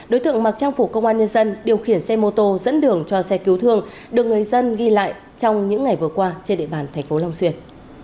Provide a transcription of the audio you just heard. đối tượng mặc trang phục công an nhân dân điều khiển xe mô tô dẫn đường cho xe cứu thương được người dân ghi lại trong những ngày vừa qua trên địa bàn thành phố long xuyên